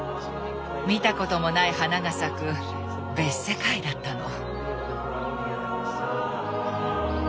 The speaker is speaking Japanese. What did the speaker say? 見たこともない花が咲く別世界だったの。